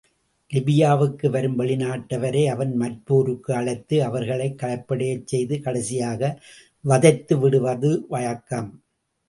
லிபியாவுக்கு வரும் வெளிநாட்டவரை அவன் மற்போருக்கு அழைத்து அவர்களைக் களைப்படையச் செய்து, கடைசியாக வதைத்துவிடுவது வழக்கம்.